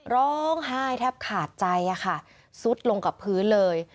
ร้องไห้แทบขาดใจค่ะซุดลงกับพื้นเลย